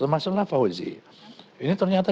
maksudnya fauzi ini ternyata